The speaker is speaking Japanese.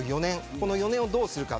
この４年をどうするか。